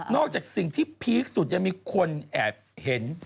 จากสิ่งที่พีคสุดยังมีคนแอบเห็น